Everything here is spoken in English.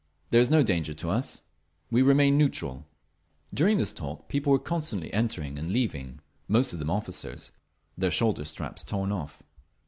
There is no danger to us. We remain neutral.'" During this talk people were constantly entering and leaving—most of them officers, their shoulder straps torn off.